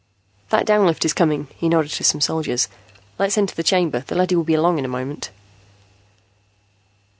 "That down lift is coming." He nodded to some soldiers. "Let's enter the chamber. The leady will be along in a moment."